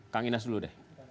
kang inas dulu deh